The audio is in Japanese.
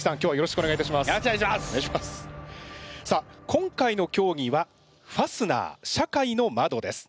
今回の競技は「ファスナー社会の窓」です。